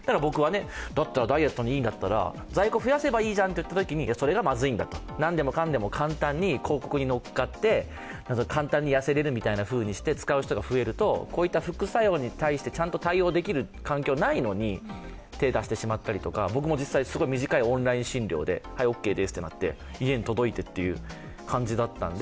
だったらダイエットにいいんだったら、在庫を増やせばいいじゃんといったらそれがまずいんだと、なんでもかんでも簡単に広告にのっかって簡単に痩せられると使う人が増えると、こういった副作用に対してちゃんと対応できる環境にないのに手を出してしまったりとか、僕も短いオンライン診療ではい、ＯＫですといって家に届いてという感じだったんで。